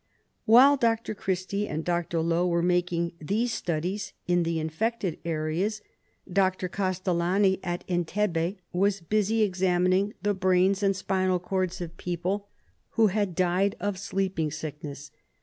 While Dr. Christy and Dr. Low were making these studies in the infected areas, Dr. Castellani, at Entebbe, was busy examining the brains and spinal cords of people who had SLEEPING SICKNESS 21 died of sleeping sickness.